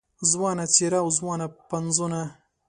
ځوانه څېره او ځوانه پنځونه